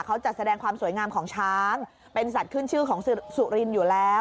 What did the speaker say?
เขาจัดแสดงความสวยงามของช้างเป็นสัตว์ขึ้นชื่อของสุรินทร์อยู่แล้ว